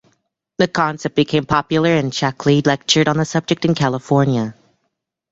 The concept became popular and Shaklee lectured on the subject in California.